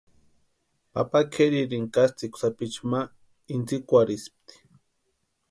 Papa kʼeririni katsʼïkwa sapichu ma intsïkwarhispti.